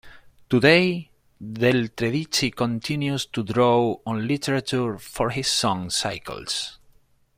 Today, Del Tredici continues to draw on literature for his song cycles.